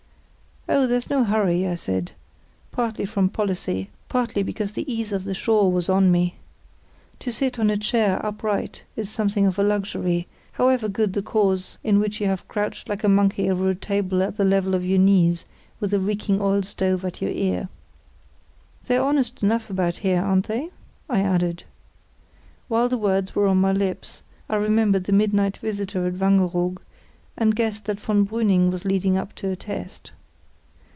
"Oh, there's no hurry," I said, partly from policy, partly because the ease of the shore was on me. To sit on a chair upright is something of a luxury, however good the cause in which you have crouched like a monkey over a table at the level of your knees, with a reeking oil stove at your ear. "They're honest enough about here, aren't they?" I added. While the words were on my lips I remembered the midnight visitor at Wangeroog, and guessed that von Brüning was leading up to a test.